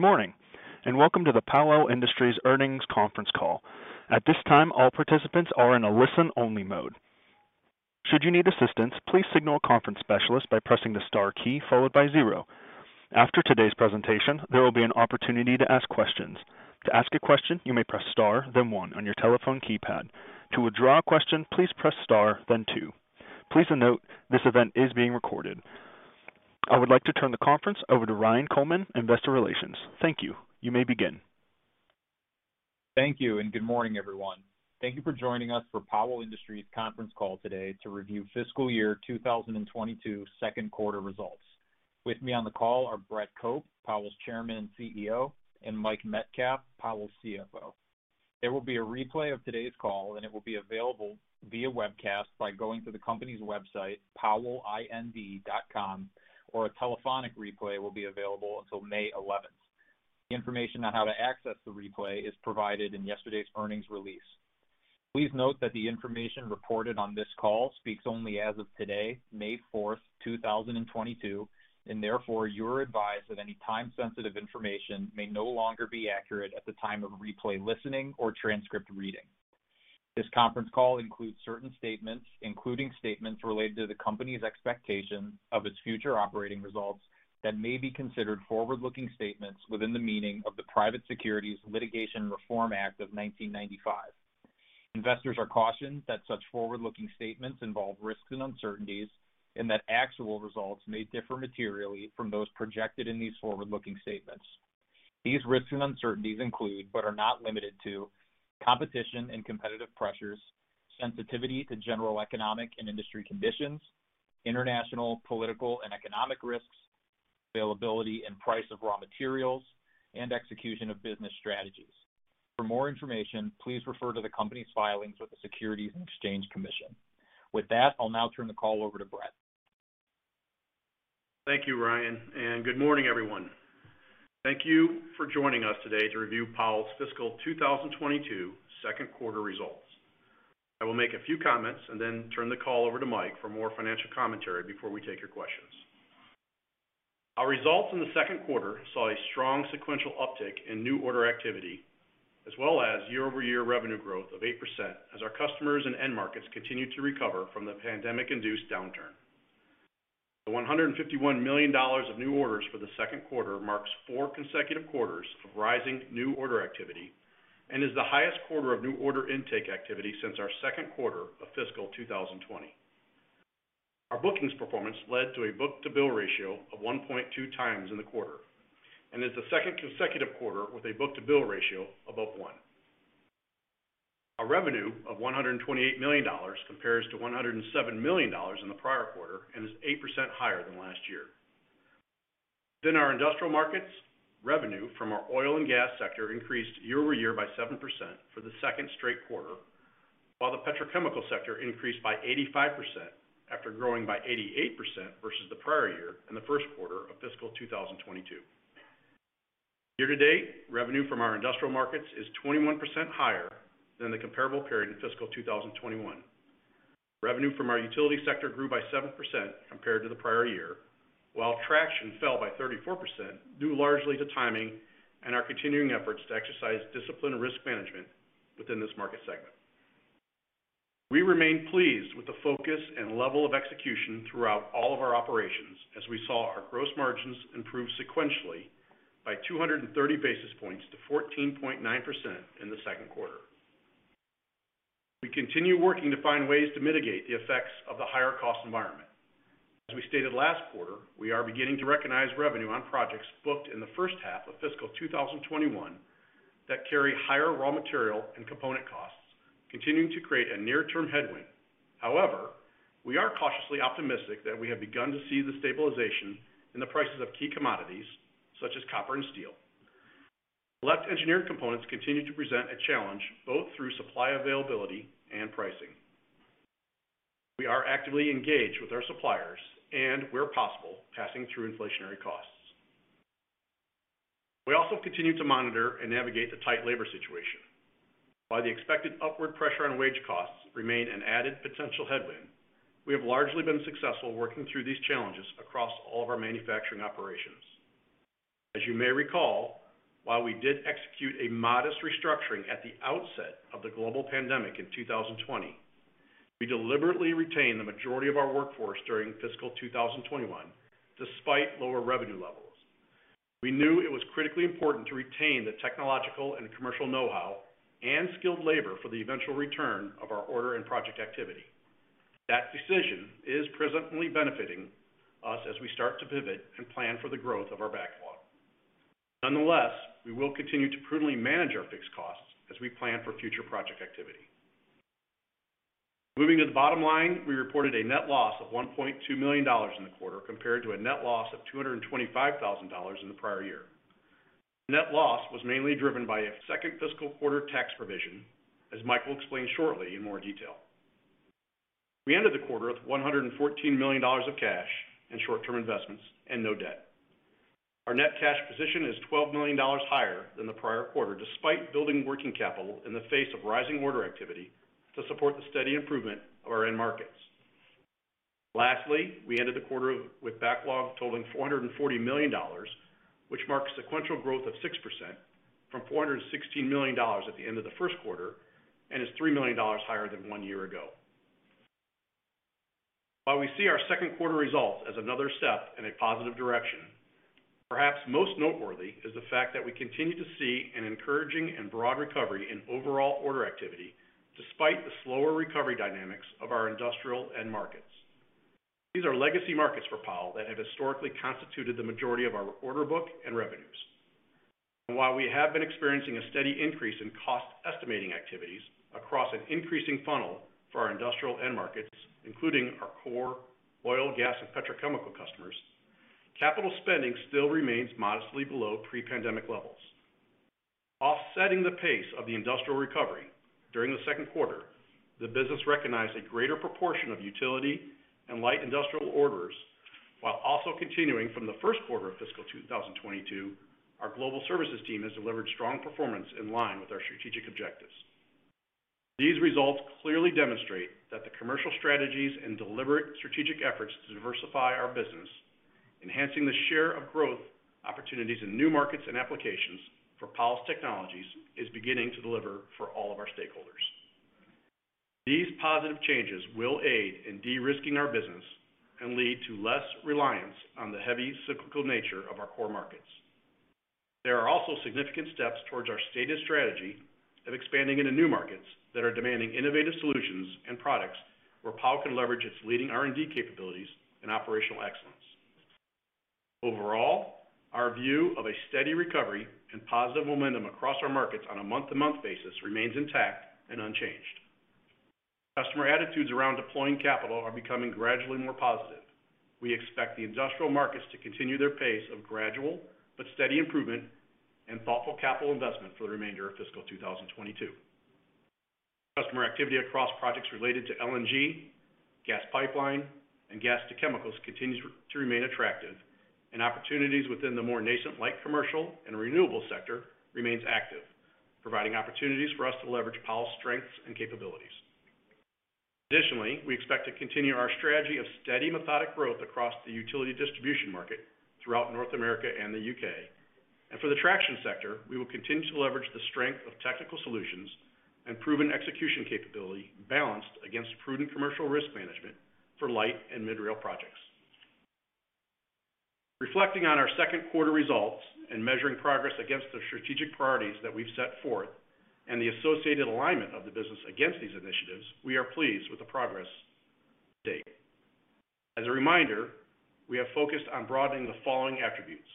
Good morning, and welcome to the Powell Industries Earnings Conference Call. At this time, all participants are in a listen-only mode. Should you need assistance, please signal a conference specialist by pressing the star key followed by zero. After today's presentation, there will be an opportunity to ask questions. To ask a question, you may press star, then one on your telephone keypad. To withdraw a question, please press star then two. Please note this event is being recorded. I would like to turn the conference over to Ryan Coleman, Investor Relations. Thank you. You may begin. Thank you, and good morning, everyone. Thank you for joining us for Powell Industries conference call today to review fiscal year 2022 second quarter results. With me on the call are Brett Cope, Powell's Chairman and CEO, and Mike Metcalf, Powell's CFO. There will be a replay of today's call and it will be available via webcast by going to the company's website, powellind.com, or a telephonic replay will be available until May 11. The information on how to access the replay is provided in yesterday's earnings release. Please note that the information reported on this call speaks only as of today, May 4th, 2022, and therefore you're advised that any time-sensitive information may no longer be accurate at the time of replay listening or transcript reading. This conference call includes certain statements, including statements related to the company's expectations of its future operating results that may be considered forward-looking statements within the meaning of the Private Securities Litigation Reform Act of 1995. Investors are cautioned that such forward-looking statements involve risks and uncertainties, and that actual results may differ materially from those projected in these forward-looking statements. These risks and uncertainties include, but are not limited to, competition and competitive pressures, sensitivity to general economic and industry conditions, international political and economic risks, availability and price of raw materials, and execution of business strategies. For more information, please refer to the company's filings with the Securities and Exchange Commission. With that, I'll now turn the call over to Brett. Thank you, Ryan, and good morning, everyone. Thank you for joining us today to review Powell's fiscal 2022 second quarter results. I will make a few comments and then turn the call over to Mike for more financial commentary before we take your questions. Our results in the second quarter saw a strong sequential uptick in new order activity as well as year-over-year revenue growth of 8% as our customers and end markets continued to recover from the pandemic-induced downturn. The $151 million of new orders for the second quarter marks four consecutive quarters of rising new order activity and is the highest quarter of new order intake activity since our second quarter of fiscal 2020. Our bookings performance led to a book-to-bill ratio of 1.2x in the quarter, and is the second consecutive quarter with a book-to-bill ratio above one. Our revenue of $128 million compares to $107 million in the prior quarter and is 8% higher than last year. Within our industrial markets, revenue from our oil and gas sector increased year-over-year by 7% for the second straight quarter, while the petrochemical sector increased by 85% after growing by 88% versus the prior year in the first quarter of fiscal 2022. Year-to-date, revenue from our industrial markets is 21% higher than the comparable period in fiscal 2021. Revenue from our utility sector grew by 7% compared to the prior year, while traction fell by 34%, due largely to timing and our continuing efforts to exercise discipline and risk management within this market segment. We remain pleased with the focus and level of execution throughout all of our operations as we saw our gross margins improve sequentially by 230 basis points to 14.9% in the second quarter. We continue working to find ways to mitigate the effects of the higher cost environment. As we stated last quarter, we are beginning to recognize revenue on projects booked in the first half of fiscal 2021 that carry higher raw material and component costs, continuing to create a near-term headwind. However, we are cautiously optimistic that we have begun to see the stabilization in the prices of key commodities such as copper and steel. Select engineered components continue to present a challenge both through supply availability and pricing. We are actively engaged with our suppliers and, where possible, passing through inflationary costs. We also continue to monitor and navigate the tight labor situation. While the expected upward pressure on wage costs remain an added potential headwind, we have largely been successful working through these challenges across all of our manufacturing operations. As you may recall, while we did execute a modest restructuring at the outset of the global pandemic in 2020, we deliberately retained the majority of our workforce during fiscal 2021 despite lower revenue levels. We knew it was critically important to retain the technological and commercial know-how and skilled labor for the eventual return of our order and project activity. That decision is presently benefiting us as we start to pivot and plan for the growth of our backlog. Nonetheless, we will continue to prudently manage our fixed costs as we plan for future project activity. Moving to the bottom line, we reported a net loss of $1.2 million in the quarter, compared to a net loss of $225,000 in the prior year. Net loss was mainly driven by a second fiscal quarter tax provision, as Mike will explain shortly in more detail. We ended the quarter with $114 million of cash and short-term investments and no debt. Our net cash position is $12 million higher than the prior quarter despite building working capital in the face of rising order activity to support the steady improvement of our end markets. Lastly, we ended the quarter with backlog totaling $440 million, which marks sequential growth of 6% from $416 million at the end of the first quarter, and is $3 million higher than one year ago. While we see our second quarter results as another step in a positive direction, perhaps most noteworthy is the fact that we continue to see an encouraging and broad recovery in overall order activity despite the slower recovery dynamics of our industrial end markets. These are legacy markets for Powell that have historically constituted the majority of our order book and revenues. While we have been experiencing a steady increase in cost estimating activities across an increasing funnel for our industrial end markets, including our core oil, gas, and petrochemical customers, capital spending still remains modestly below pre-pandemic levels. Offsetting the pace of the industrial recovery during the second quarter, the business recognized a greater proportion of utility and light industrial orders while also continuing from the first quarter of fiscal 2022, our global services team has delivered strong performance in line with our strategic objectives. These results clearly demonstrate that the commercial strategies and deliberate strategic efforts to diversify our business, enhancing the share of growth opportunities in new markets and applications for Powell's technologies is beginning to deliver for all of our stakeholders. These positive changes will aid in de-risking our business and lead to less reliance on the heavy cyclical nature of our core markets. There are also significant steps towards our stated strategy of expanding into new markets that are demanding innovative solutions and products where Powell can leverage its leading R&D capabilities and operational excellence. Overall, our view of a steady recovery and positive momentum across our markets on a month-to-month basis remains intact and unchanged. Customer attitudes around deploying capital are becoming gradually more positive. We expect the industrial markets to continue their pace of gradual but steady improvement and thoughtful capital investment for the remainder of fiscal 2022. Customer activity across projects related to LNG, gas pipeline, and gas to chemicals continues to remain attractive. Opportunities within the more nascent light commercial and renewable sector remains active, providing opportunities for us to leverage Powell's strengths and capabilities. Additionally, we expect to continue our strategy of steady, methodical growth across the utility distribution market throughout North America and the U.K. For the traction sector, we will continue to leverage the strength of technical solutions and proven execution capability balanced against prudent commercial risk management for light and mid-rail projects. Reflecting on our second quarter results and measuring progress against the strategic priorities that we've set forth and the associated alignment of the business against these initiatives, we are pleased with the progress to date. As a reminder, we have focused on broadening the following attributes.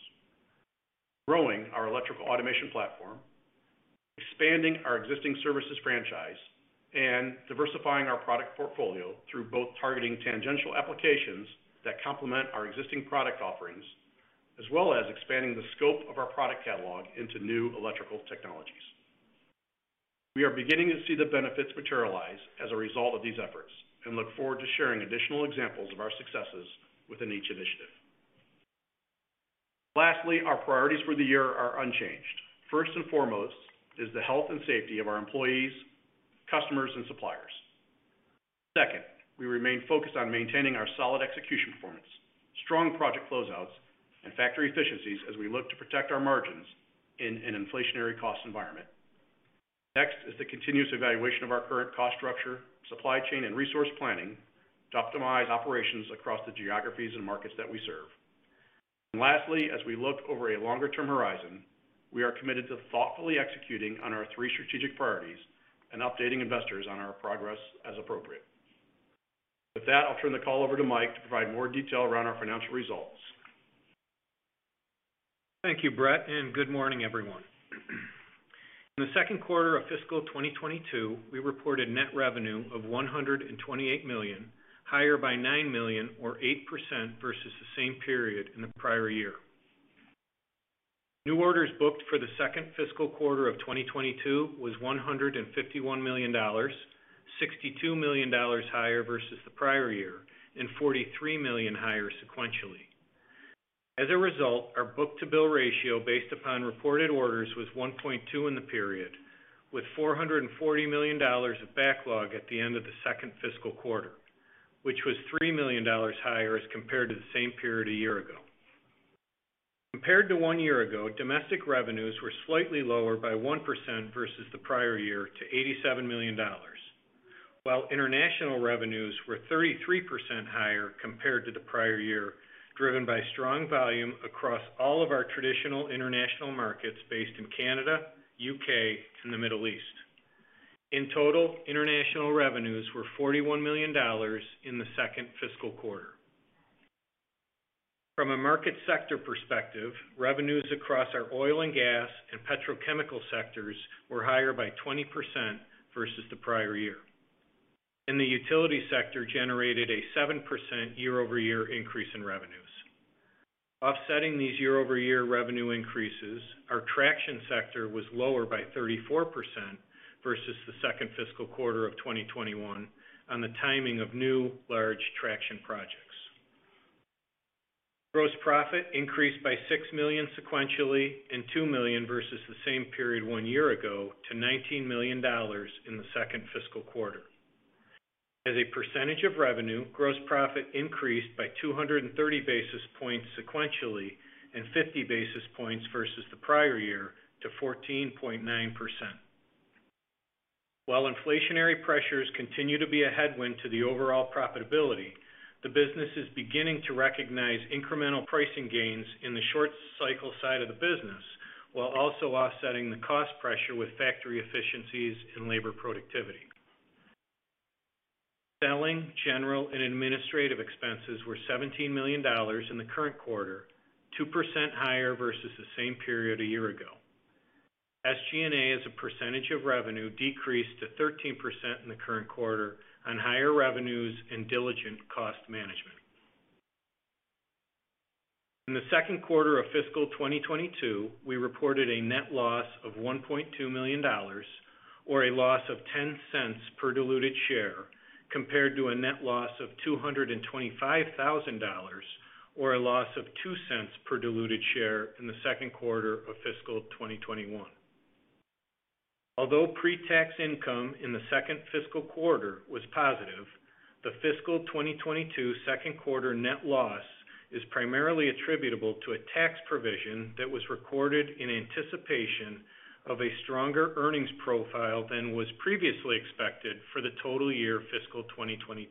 Growing our electrical automation platform, expanding our existing services franchise, and diversifying our product portfolio through both targeting tangential applications that complement our existing product offerings, as well as expanding the scope of our product catalog into new electrical technologies. We are beginning to see the benefits materialize as a result of these efforts, and look forward to sharing additional examples of our successes within each initiative. Lastly, our priorities for the year are unchanged. First and foremost is the health and safety of our employees, customers, and suppliers. Second, we remain focused on maintaining our solid execution performance, strong project closeouts, and factory efficiencies as we look to protect our margins in an inflationary cost environment. Next is the continuous evaluation of our current cost structure, supply chain, and resource planning to optimize operations across the geographies and markets that we serve. Lastly, as we look over a longer term horizon, we are committed to thoughtfully executing on our three strategic priorities and updating investors on our progress as appropriate. With that, I'll turn the call over to Mike to provide more detail around our financial results. Thank you, Brett, and good morning, everyone. In the second quarter of fiscal 2022, we reported net revenue of $128 million, higher by $9 million or 8% versus the same period in the prior year. New orders booked for the second fiscal quarter of 2022 was $151 million, $62 million higher versus the prior year and $43 million higher sequentially. As a result, our book-to-bill ratio based upon reported orders was 1.2 in the period, with $440 million of backlog at the end of the second fiscal quarter, which was $3 million higher as compared to the same period a year ago. Compared to one year ago, domestic revenues were slightly lower by 1% versus the prior year to $87 million, while international revenues were 33% higher compared to the prior year, driven by strong volume across all of our traditional international markets based in Canada, U.K., and the Middle East. In total, international revenues were $41 million in the second fiscal quarter. From a market sector perspective, revenues across our oil and gas and petrochemical sectors were higher by 20% versus the prior year, and the utility sector generated a 7% year-over-year increase in revenues. Offsetting these year-over-year revenue increases, our traction sector was lower by 34% versus the second fiscal quarter of 2021 on the timing of new large traction projects. Gross profit increased by $6 million sequentially and $2 million versus the same period one year ago to $19 million in the second fiscal quarter. As a percentage of revenue, gross profit increased by 230 basis points sequentially and 50 basis points versus the prior year to 14.9%. While inflationary pressures continue to be a headwind to the overall profitability, the business is beginning to recognize incremental pricing gains in the short cycle side of the business, while also offsetting the cost pressure with factory efficiencies and labor productivity. Selling, general, and administrative expenses were $17 million in the current quarter, 2% higher versus the same period a year ago. SG&A, as a percentage of revenue, decreased to 13% in the current quarter on higher revenues and diligent cost management. In the second quarter of fiscal 2022, we reported a net loss of $1.2 million or a loss of $0.10 per diluted share, compared to a net loss of $225,000 or a loss of $0.02 per diluted share in the second quarter of fiscal 2021. Although pre-tax income in the second fiscal quarter was positive, the fiscal 2022 second quarter net loss is primarily attributable to a tax provision that was recorded in anticipation of a stronger earnings profile than was previously expected for the total year fiscal 2022.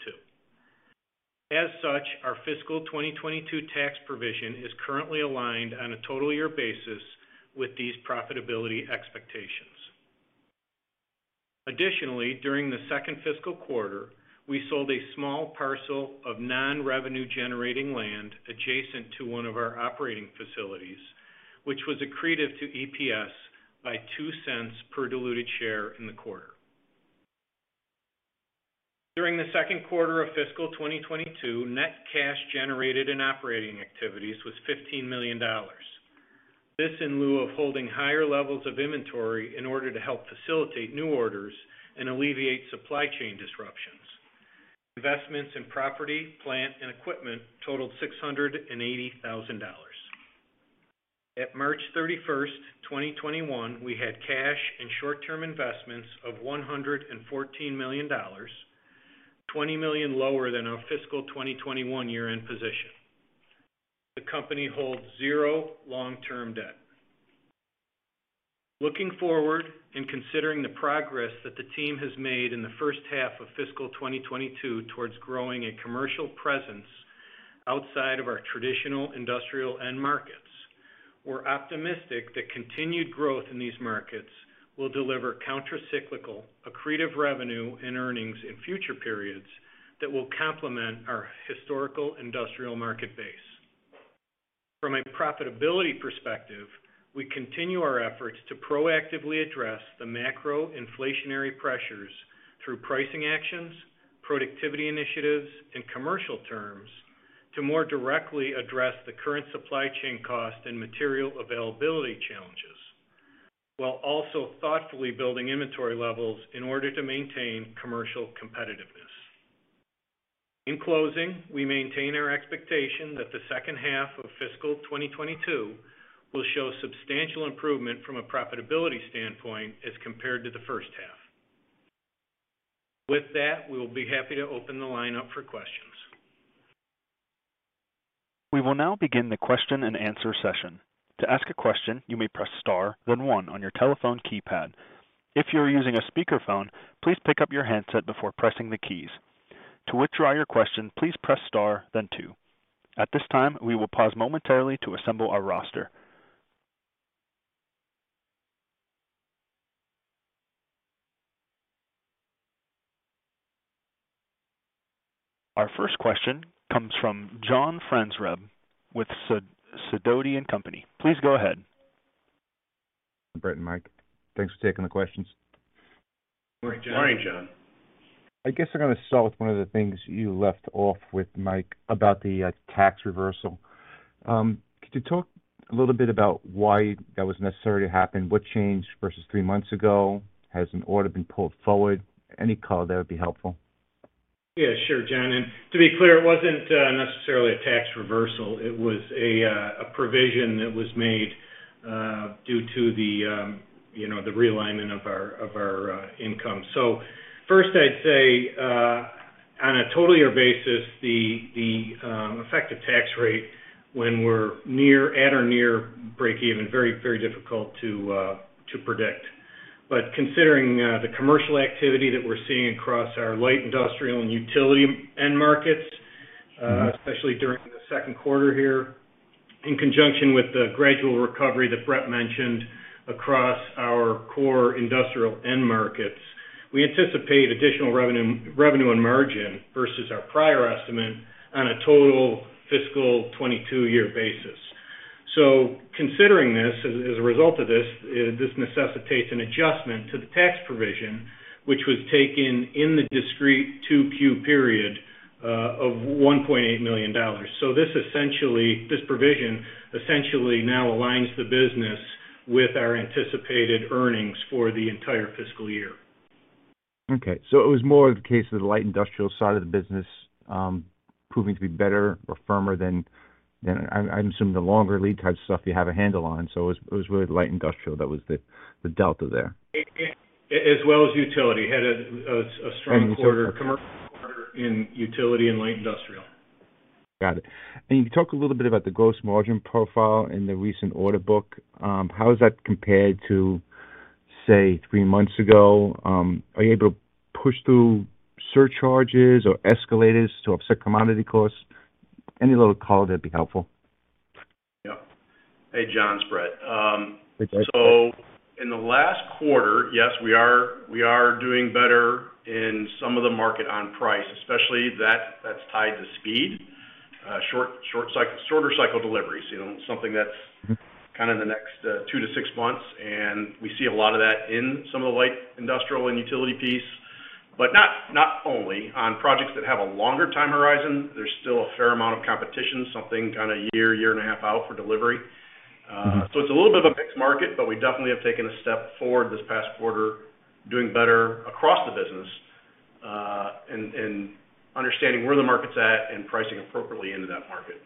As such, our fiscal 2022 tax provision is currently aligned on a total year basis with these profitability expectations. Additionally, during the second fiscal quarter, we sold a small parcel of non-revenue generating land adjacent to one of our operating facilities, which was accretive to EPS by $0.02 per diluted share in the quarter. During the second quarter of fiscal 2022, net cash generated in operating activities was $15 million. This in lieu of holding higher levels of inventory in order to help facilitate new orders and alleviate supply chain disruptions. Investments in property, plant, and equipment totaled $680,000. At March 31st, 2021, we had cash and short-term investments of $114 million, $20 million lower than our fiscal 2021 year-end position. The company holds zero long-term debt. Looking forward, and considering the progress that the team has made in the first half of fiscal 2022 towards growing a commercial presence outside of our traditional industrial end markets, we're optimistic that continued growth in these markets will deliver countercyclical accretive revenue and earnings in future periods that will complement our historical industrial market base. From a profitability perspective, we continue our efforts to proactively address the macro-inflationary pressures through pricing actions, productivity initiatives, and commercial terms to more directly address the current supply chain cost and material availability challenges, while also thoughtfully building inventory levels in order to maintain commercial competitiveness. In closing, we maintain our expectation that the second half of fiscal 2022 will show substantial improvement from a profitability standpoint as compared to the first half. With that, we will be happy to open the line up for questions. We will now begin the question-and-answer session. To ask a question, you may press star, then one on your telephone keypad. If you're using a speakerphone, please pick up your handset before pressing the keys. To withdraw your question, please press star then two. At this time, we will pause momentarily to assemble our roster. Our first question comes from John Franzreb with Sidoti & Company. Please go ahead. Brett and Mike, thanks for taking the questions. Morning, John. I guess I'm gonna start with one of the things you left off with Mike about the tax reversal. Could you talk a little bit about why that was necessary to happen? What changed versus three months ago? Has an order been pulled forward? Any color there would be helpful. Yeah, sure, John. To be clear, it wasn't necessarily a tax reversal. It was a provision that was made due to you know, the realignment of our income. First, I'd say on a total year basis, the effective tax rate when we're at or near breakeven, very, very difficult to predict. Considering the commercial activity that we're seeing across our light industrial and utility end markets, especially during the second quarter here, in conjunction with the gradual recovery that Brett mentioned across our core industrial end markets, we anticipate additional revenue and margin versus our prior estimate on a total fiscal 2022 year basis. Considering this, as a result of this necessitates an adjustment to the tax provision, which was taken in the discrete Q2 period, of $1.8 million. This provision essentially now aligns the business with our anticipated earnings for the entire fiscal year. Okay. It was more of the case of the light industrial side of the business proving to be better or firmer than I'm assuming the longer lead type stuff you have a handle on. It was really light industrial that was the delta there. As well as utility. Had a strong quarter in utility and light industrial. Got it. Can you talk a little bit about the gross margin profile in the recent order book? How has that compared to, say, three months ago? Are you able to push through surcharges or escalators to offset commodity costs? Any little color there would be helpful. Yeah. Hey, John, it's Brett. Hey, Brett. In the last quarter, yes, we are doing better in some of the market on price, especially that's tied to speed, shorter cycle deliveries. You know, something that's... Mm-hmm. kind of in the next two to six months, and we see a lot of that in some of the light industrial and utility piece, but not only. On projects that have a longer time horizon, there's still a fair amount of competition, something kind of a year and a half out for delivery. Mm-hmm. It's a little bit of a mixed market, but we definitely have taken a step forward this past quarter, doing better across the business, in understanding where the market's at and pricing appropriately into that market.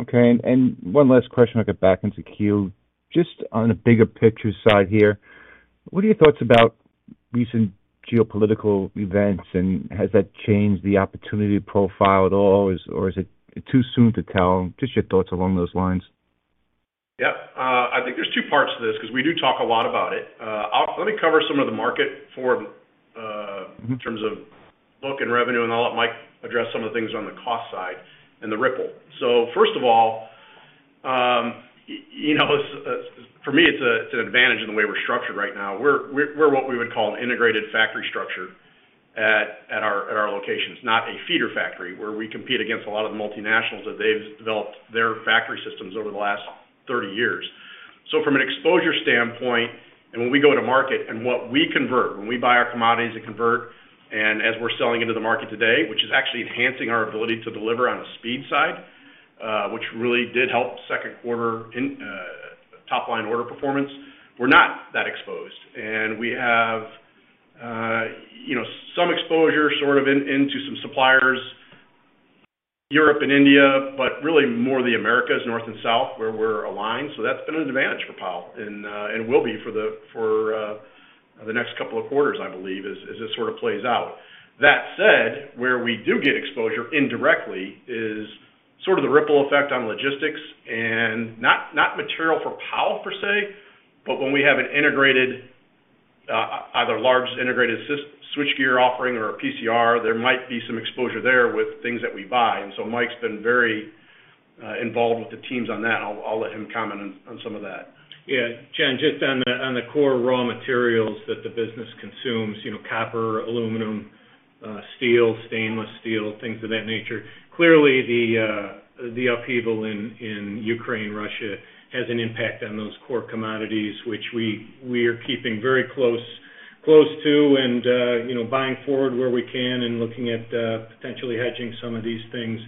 Okay. One last question, I'll get back into queue. Just on a bigger picture side here, what are your thoughts about recent geopolitical events, and has that changed the opportunity profile at all? Is it too soon to tell? Just your thoughts along those lines. Yeah. I think there's two parts to this 'cause we do talk a lot about it. Let me cover some of the market for, Mm-hmm. In terms of book and revenue and all that. Mike addressed some of the things on the cost side and the ripple. First of all, you know, for me, it's an advantage in the way we're structured right now. We're what we would call an integrated factory structure at our locations, not a feeder factory, where we compete against a lot of the multinationals that they've developed their factory systems over the last 30 years. From an exposure standpoint, and when we go to market and what we convert, when we buy our commodities and convert, and as we're selling into the market today, which is actually enhancing our ability to deliver on the speed side, which really did help second quarter in top line order performance. We're not that exposed, and we have, you know, some exposure sort of in, into some suppliers, Europe and India, but really more of the Americas, north and south, where we're aligned. That's been an advantage for Powell and will be for the next couple of quarters, I believe, as this sort of plays out. That said, where we do get exposure indirectly is sort of the ripple effect on logistics and not material for Powell per se, but when we have an integrated, either large integrated switchgear offering or a PCR, there might be some exposure there with things that we buy. Mike's been very involved with the teams on that. I'll let him comment on some of that. Yeah. John, just on the core raw materials that the business consumes, you know, copper, aluminum, steel, stainless steel, things of that nature. Clearly, the upheaval in Ukraine, Russia, has an impact on those core commodities, which we are keeping very close to and, you know, buying forward where we can and looking at potentially hedging some of these things.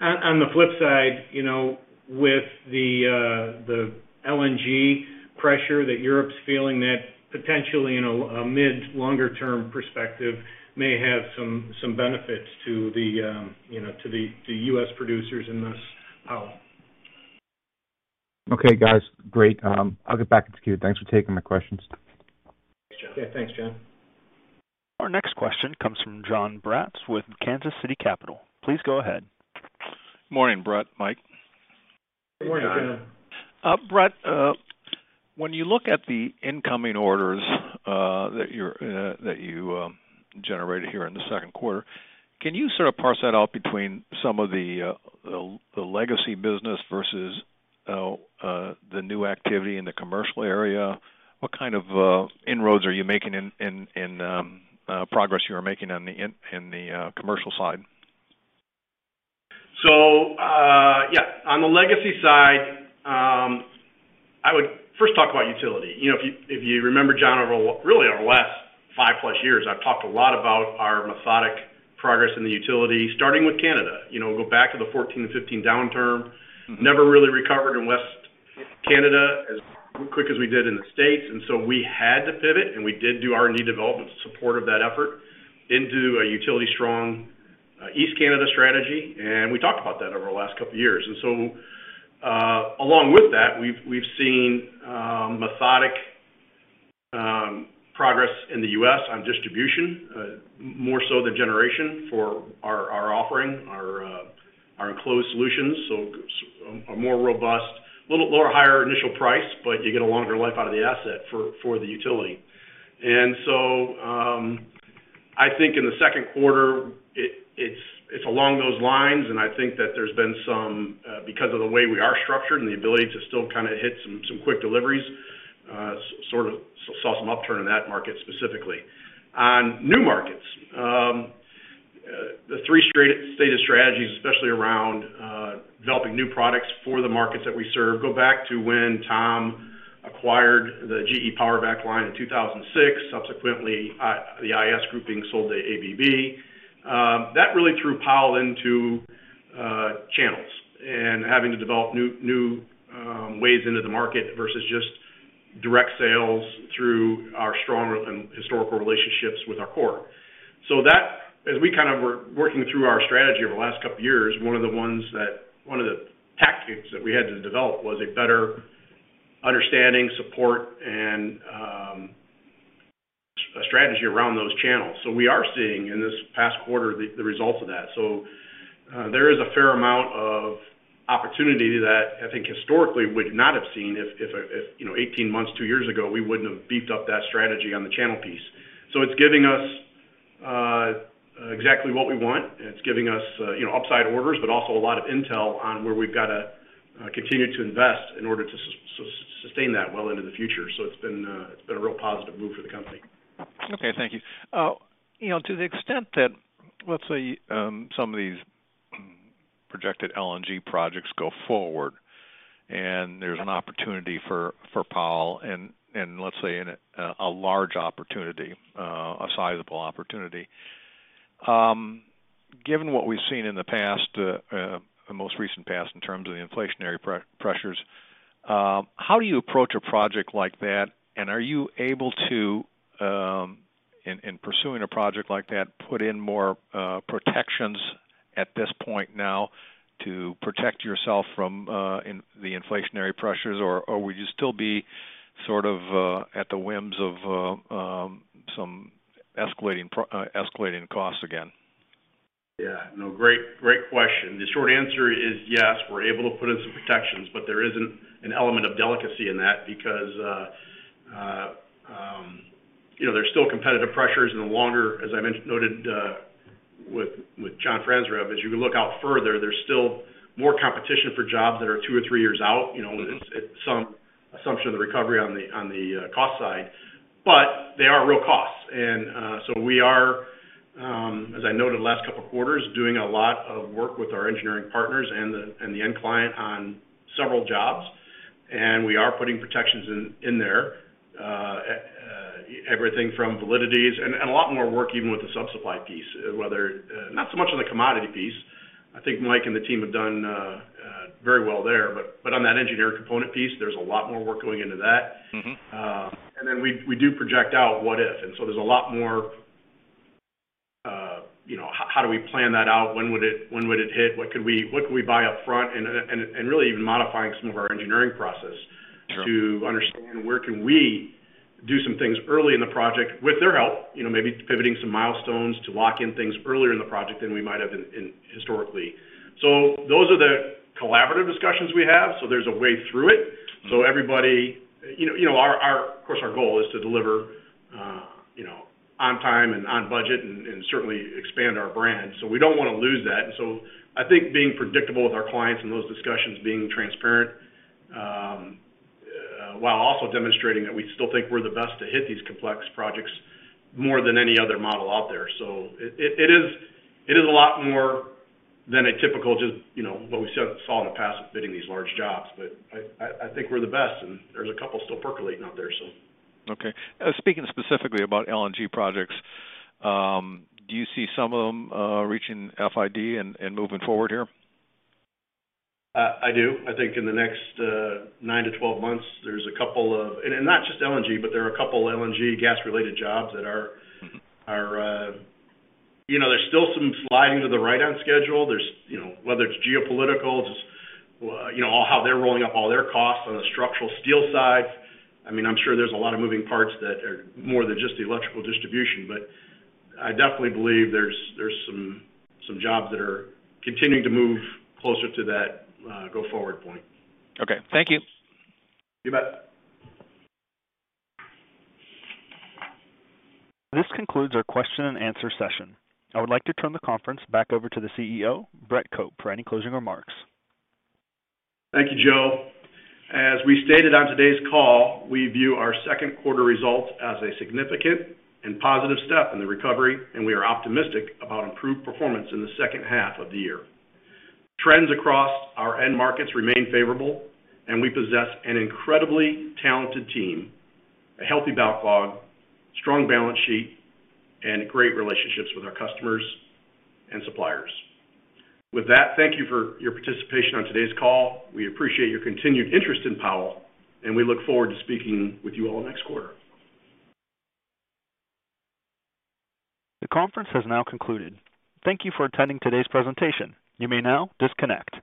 On the flip side, you know, with the LNG pressure that Europe's feeling that potentially in a mid longer term perspective may have some benefits to the, you know, to the, to U.S. producers in this power. Okay, guys. Great. I'll get back into queue. Thanks for taking my questions. Thanks, John. Yeah. Thanks, John. Our next question comes from Jon Braatz with Kansas City Capital. Please go ahead. Morning, Brett, Mike. Morning, Jon. Morning, Jon. Brett, when you look at the incoming orders that you generated here in the second quarter, can you sort of parse that out between some of the legacy business versus the new activity in the commercial area? What kind of progress are you making in the commercial side? Yeah. On the legacy side, I would first talk about utility. You know, if you remember, Jon, really over the last five plus years, I've talked a lot about our methodical progress in the utility, starting with Canada. You know, go back to the 2014-2015 downturn. Mm-hmm. Never really recovered in West Canada as quick as we did in the States, and so we had to pivot, and we did do R&D development in support of that effort into a utility-strong East Canada strategy. We talked about that over the last couple of years. Along with that, we've seen methodical progress in the U.S. on distribution, more so than generation for our offering, our enclosed solutions. A more robust, little lower, higher initial price, but you get a longer life out of the asset for the utility. I think in the second quarter, it's along those lines, and I think that there's been some because of the way we are structured and the ability to still kind of hit some quick deliveries, sort of saw some upturn in that market specifically. On new markets, the three stated strategies, especially around developing new products for the markets that we serve, go back to when Tom acquired the GE Power/Vac line in 2006, subsequently, the IEC grouping sold to ABB. That really threw Powell into channels and having to develop new ways into the market versus just direct sales through our strong traditional historical relationships with our core. As we kind of were working through our strategy over the last couple of years, one of the tactics that we had to develop was a better understanding, support, and a strategy around those channels. We are seeing in this past quarter the results of that. There is a fair amount of opportunity that I think historically would not have seen if, you know, 18 months, two years ago, we wouldn't have beefed up that strategy on the channel piece. It's giving us exactly what we want. It's giving us, you know, upside orders, but also a lot of intel on where we've gotta continue to invest in order to sustain that well into the future. It's been a real positive move for the company. Okay, thank you. You know, to the extent that, let's say, some of these projected LNG projects go forward, and there's an opportunity for Powell and let's say a large opportunity, a sizable opportunity. Given what we've seen in the past, the most recent past in terms of the inflationary pressures, how do you approach a project like that? Are you able to, in pursuing a project like that, put in more protections at this point now to protect yourself from the inflationary pressures? Or would you still be sort of at the whims of some escalating costs again? Yeah. No, great question. The short answer is yes, we're able to put in some protections, but there is an element of delicacy in that because, you know, there's still competitive pressures and the longer, as I noted, with John Franzreb, as you can look out further, there's still more competition for jobs that are two or three years out, you know, at some assumption of the recovery on the cost side. They are real costs. We are, as I noted the last couple of quarters, doing a lot of work with our engineering partners and the end client on several jobs. We are putting protections in there. Everything from validities and a lot more work even with the sub-supply piece, whether, not so much on the commodity piece. I think Mike and the team have done very well there. On that engineering component piece, there's a lot more work going into that. Mm-hmm. We do project out what if. There's a lot more, you know, how do we plan that out? When would it hit? What could we buy up front? Really even modifying some of our engineering process. Sure. To understand where we can do some things early in the project with their help, you know, maybe pivoting some milestones to lock in things earlier in the project than we might have in historically. Those are the collaborative discussions we have. There's a way through it. Everybody, you know, of course, our goal is to deliver, you know, on time and on budget and certainly expand our brand. We don't wanna lose that. I think being predictable with our clients in those discussions being transparent while also demonstrating that we still think we're the best to hit these complex projects more than any other model out there. It is a lot more than a typical just, you know, what we saw in the past of bidding these large jobs. I think we're the best, and there's a couple still percolating out there, so. Okay. Speaking specifically about LNG projects, do you see some of them reaching FID and moving forward here? I do. I think in the next nine to 12 months, not just LNG, but there are a couple LNG gas-related jobs that are- Mm-hmm. You know, there's still some sliding to the right on schedule. There's you know whether it's geopolitical, just, you know, how they're rolling up all their costs on the structural steel side. I mean, I'm sure there's a lot of moving parts that are more than just the electrical distribution. But I definitely believe there's some jobs that are continuing to move closer to that go forward point. Okay, thank you. You bet. This concludes our question and answer session. I would like to turn the conference back over to the CEO, Brett Cope, for any closing remarks. Thank you, Joe. As we stated on today's call, we view our second quarter results as a significant and positive step in the recovery, and we are optimistic about improved performance in the second half of the year. Trends across our end markets remain favorable, and we possess an incredibly talented team, a healthy backlog, strong balance sheet, and great relationships with our customers and suppliers. With that, thank you for your participation on today's call. We appreciate your continued interest in Powell, and we look forward to speaking with you all next quarter. The conference has now concluded. Thank you for attending today's presentation. You may now disconnect.